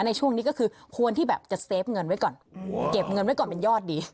ในช่วงนี้ก็คือควรที่แบบจะเซฟเงินไว้ก่อนเก็บเงินไว้ก่อนเป็นยอดดี